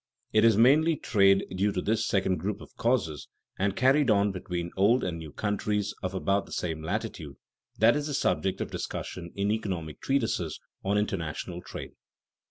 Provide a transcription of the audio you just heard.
It is mainly trade due to this second group of causes, and carried on between old and new countries of about the same latitude, that is the subject of discussion in economic treatises on international trade.